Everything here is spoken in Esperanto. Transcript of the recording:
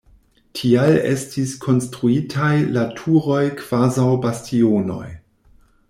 Tial estis konstruitaj la turoj kvazaŭ bastionoj.